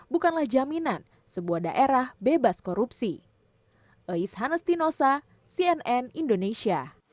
bukanlah jaminan sebuah daerah bebas korupsi